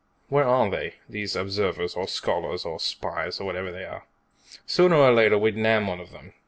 Where are they, these observers, or scholars, or spies or whatever they are? Sooner or later we'd nab one of them.